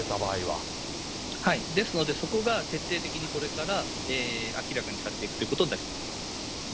ですので、そこが徹底的にこれから明らかにされていくということになります。